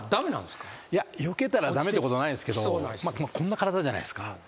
よけたら駄目ってことはないですけどこんな体じゃないですか。